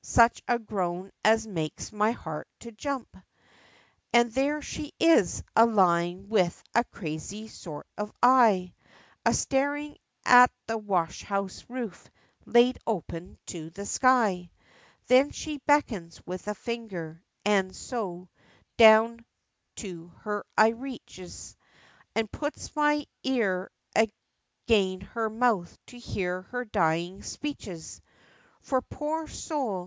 such a groan as makes my heart to jump. And there she is, a lying with a crazy sort of eye, A staring at the wash house roof, laid open to the sky: Then she beckons with a finger, and so down to her I reaches, And puts my ear agin her mouth to hear her dying speeches, For, poor soul!